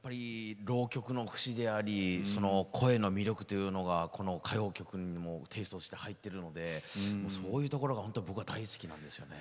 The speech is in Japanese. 浪曲の節であり声の魅力というのが歌謡曲にもテーストとして入ってるのでそういうところが大好きです。